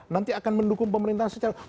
nanti akan mendukung pemerintahan secara